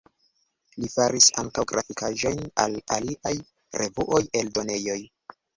Li faris ankaŭ grafikaĵojn al aliaj revuoj, eldonejoj.